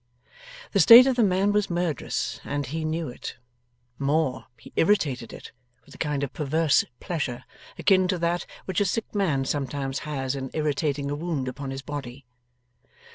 The state of the man was murderous, and he knew it. More; he irritated it, with a kind of perverse pleasure akin to that which a sick man sometimes has in irritating a wound upon his body.